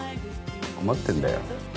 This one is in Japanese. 困ってんだよ。